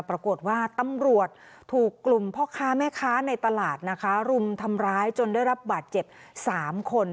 ปรากฏว่าตำรวจถูกกลุ่มพ่อค้าแม่ค้าในตลาดนะคะรุมทำร้ายจนได้รับบาดเจ็บ๓คน